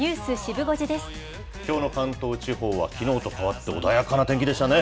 きょうの関東地方は、きのうと変わって穏やかな天気でしたね。